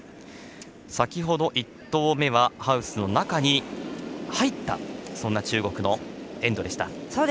先ほど１投目はハウスの中に入ったそんな中国のエンドでした。